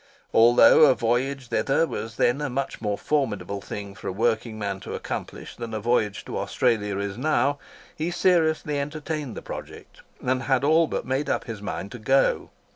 Although a voyage thither was then a much more formidable thing for a working man to accomplish than a voyage to Australia is now, he seriously entertained the project, and had all but made up his mind to go.